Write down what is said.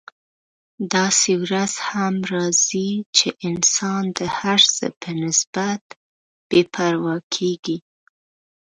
داسې ورځ هم راځي چې انسان د هر څه په نسبت بې پروا کیږي.